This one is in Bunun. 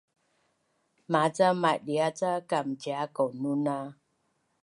Maca madia’ ca kamcia’ kaununa